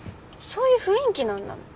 そういう雰囲気なんだもん。